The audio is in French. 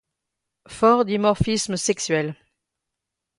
Fort dimorphisme sexuel.